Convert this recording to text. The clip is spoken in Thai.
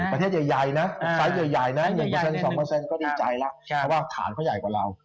เพราะว่าฐานเขาใหญ่กว่าเรา